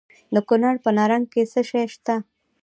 د کونړ په نرنګ کې څه شی شته؟